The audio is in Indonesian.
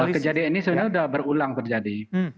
kejadian ini sebenarnya sudah berulang terjadi